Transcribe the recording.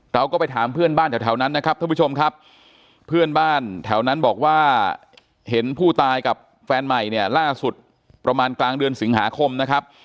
เราก็ไปถามเพื่อนบ้านแถวนั้นนะครับท่านผู้ชมครับเพื่อนบ้านแถวนั้นบอกว่าเห็นผู้ตายกับแฟนใหม่เนี่ยล่าสุดประมาณกลางเดือนสิงหาคมนะครับ